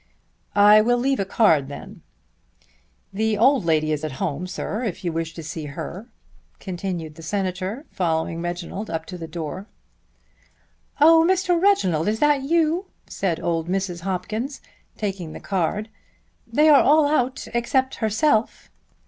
"I will leave a card then." "The old lady is at home, sir, if you wish to see her," continued the Senator following Reginald up to the door. "Oh, Mr. Reginald, is that you?" said old Mrs. Hopkins taking the card. "They are all out, except herself."